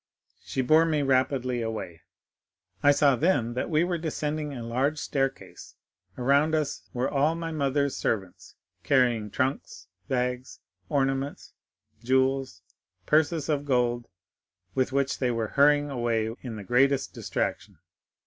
She bore me rapidly away. "I saw then that we were descending a large staircase; around us were all my mother's servants carrying trunks, bags, ornaments, jewels, purses of gold, with which they were hurrying away in the greatest distraction.